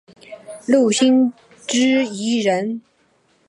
六星之一人。